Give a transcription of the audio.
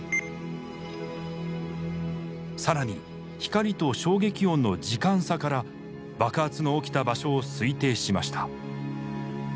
更に光と衝撃音の時間差から爆発の起きた場所を推定しました。